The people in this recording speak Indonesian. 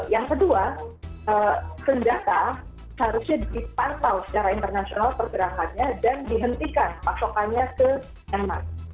yang kedua senjata seharusnya dipantau secara internasional pergerakannya dan dihentikan pasokannya ke myanmar